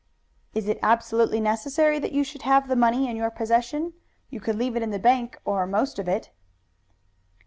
"Is it absolutely necessary that you should have the money in your possession? You could leave it in the bank, or most of it."